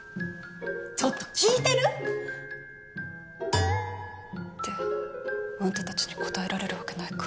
ちょっと聞いてる？ってあんたたちに答えられるわけないか。